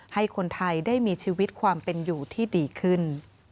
ให้คนไทยได้มีชีวิตความเป็นอยู่ที่ดีขึ้น